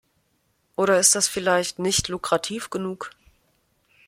Oder ist das vielleicht nicht lukrativ genug?